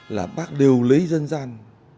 là bác đều lấy dân gian